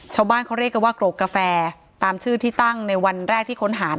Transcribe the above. ชาวบ้านเขาเรียกกันว่ากรกกาแฟตามชื่อที่ตั้งในวันแรกที่ค้นหา